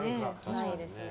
ないですね。